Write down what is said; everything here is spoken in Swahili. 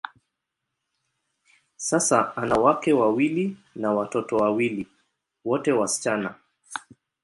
Sasa, ana wake wawili na watoto wawili, wote wasichana.